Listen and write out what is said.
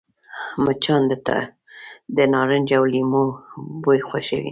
مچان د نارنج او لیمو بوی خوښوي